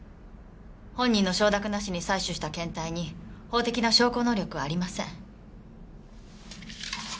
本人の承諾なしに採取した検体に法的な証拠能力はありません。